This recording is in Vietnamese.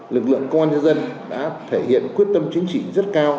lực lượng công an nhân dân đã thể hiện quyết tâm chính trị rất cao